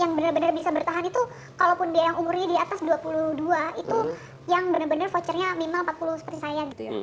yang benar benar bisa bertahan itu kalaupun dia yang umurnya di atas dua puluh dua itu yang benar benar vouchernya minimal empat puluh seperti saya gitu ya